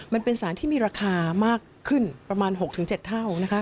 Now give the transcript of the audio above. มันเป็นสารที่มีราคามากขึ้นประมาณ๖๗เท่า